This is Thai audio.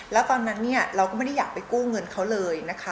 แล้วตอนนั้นเราก็ไม่ได้อยากไปกู้เงินเค้าเลย